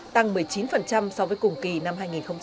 tăng một mươi chín so với cùng kỳ năm hai nghìn hai mươi ba